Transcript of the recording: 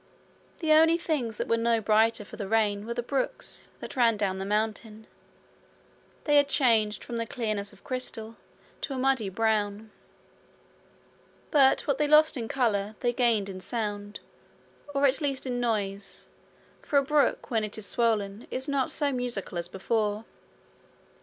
The only things that were no brighter for the rain were the brooks that ran down the mountain; they had changed from the clearness of crystal to a muddy brown; but what they lost in colour they gained in sound or at least in noise, for a brook when it is swollen is not so musical as before.